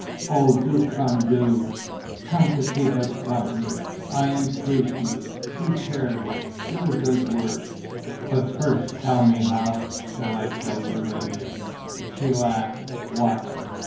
Oh, do come, do: come to keep us company. I entreat you. Be charitable, do a good work.... But first tell me, how shall I tell Urania?" She laughed: "What?"